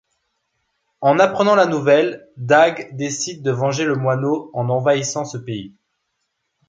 En apprenant la nouvelle, Dag décide de venger le moineau en envahissant ce pays.